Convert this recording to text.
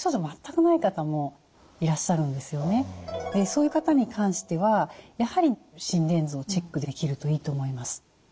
そういう方に関してはやはり心電図をチェックできるといいと思います。